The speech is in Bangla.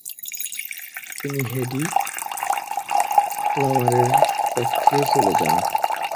তিনি হেডি লামারের পক্ষে চলে যান।